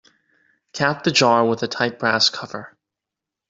Cap the jar with a tight brass cover.